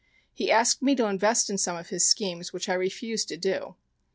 He asked me to invest in some of his schemes, which I refused to do."